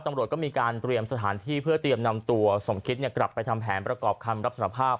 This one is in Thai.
ตำรวจก็มีการเตรียมสถานที่เพื่อเตรียมนำตัวสมคิตกลับไปทำแผนประกอบคำรับสารภาพ